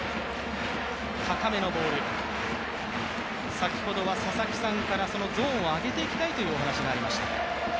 先ほどは佐々木さんから、そのゾーンを上げていきたいという話もありました。